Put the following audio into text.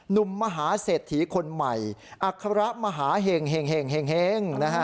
นุ่มมหาเศรษฐีคนใหม่อัครมหาเห็ง